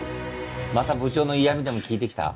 また部長の嫌みでも聞いてきた？